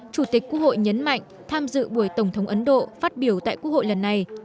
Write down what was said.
chủ tịch quốc hội nhấn mạnh tham dự buổi tổng thống ấn độ phát biểu tại quốc hội lần này